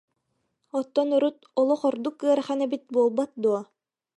Оттон урут олох ордук ыарахан эбит буолбат дуо